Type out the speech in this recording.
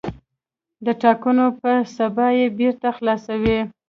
د ټاکنو په سبا یې بېرته خلاصوي.